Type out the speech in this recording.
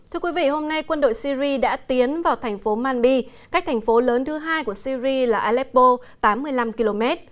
thưa quý vị hôm nay quân đội syri đã tiến vào thành phố manbi cách thành phố lớn thứ hai của syri là aleppo tám mươi năm km